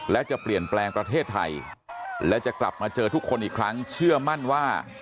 และจะเปลี่ยนแปลงประเทศไทยและจะกลับมาเจอทุกคนอีกครั้งเชื่อมั่นว่า